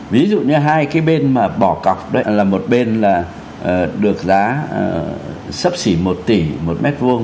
ví dụ như hai cái bên mà bỏ cọc đó là một bên là được giá sấp xỉ một tỷ một mét vuông